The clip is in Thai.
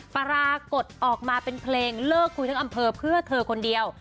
ปรากฏออกมาเป็นเพลงเลิกคุยทั้งอำเภอเพื่อเธอคนเดียว